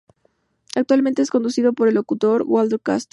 Actualmente es conducido por el locutor Waldo Castro.